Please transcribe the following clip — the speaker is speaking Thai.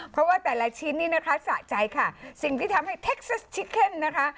เพราะว่าแต่ละชิ้นนี่นะคะสะใจค่ะสิ่งที่ทำให้เท็กซัสชิเคนนะคะ